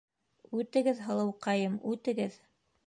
Үтегеҙ, һылыуҡайым, үтегеҙ!